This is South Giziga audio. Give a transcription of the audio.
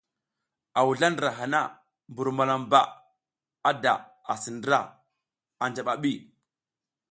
A wuzla ndra hana, mbur malamba da asi ndra anja a bi.